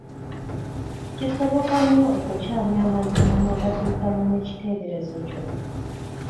Kisoboka nnyo okukyamya amazima n’ogatuukanya n’ekiteeberezo kyo.